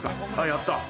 やった。